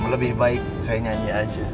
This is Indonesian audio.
lebih baik saya nyanyi aja